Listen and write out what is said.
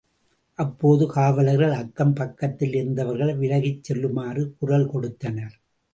அப்போது காவலர்கள் அக்கம் பக்கத்திலிருந்தவர்களை விலகிச் செல்லுமாறு குரல் கொடுத்தனர்.